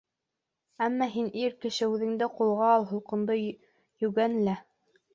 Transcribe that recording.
Әммә һин — ир кеше, үҙеңде ҡулға ал, холҡоңдо йүгәнлә.